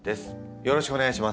よろしくお願いします。